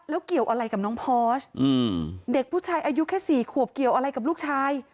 อะไรกับน้องพอร์ชอืมเด็กผู้ชายอายุแค่สี่ขวบเกี่ยวอะไรกับลูกชาย